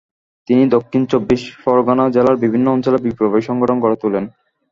তিনি দক্ষিণ চব্বিশ পরগণা জেলার বিভিন্ন অঞ্চলে বিপ্লবী সংগঠন গড়ে তোলেন।